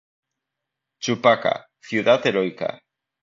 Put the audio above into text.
Chupaca "Ciudad Heroica".